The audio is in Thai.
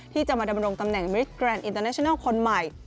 ที่จะมาดำรงตำแหน่งบริสแกรนดอินเตอร์เนชนัลคนใหม่